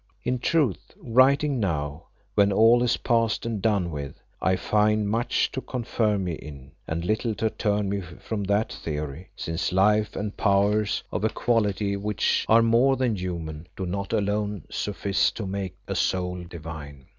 In truth, writing now, when all is past and done with, I find much to confirm me in, and little to turn me from that theory, since life and powers of a quality which are more than human do not alone suffice to make a soul divine.